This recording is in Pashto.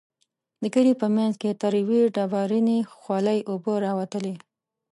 د کلي په منځ کې تر يوې ډبرينې خولۍ اوبه راوتلې.